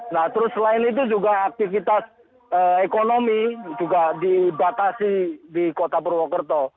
nah terus selain itu juga aktivitas ekonomi juga dibatasi di kota purwokerto